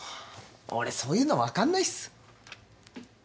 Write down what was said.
俺そういうの分かんないっす。